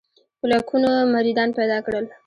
په لکونو مریدان پیدا کړل.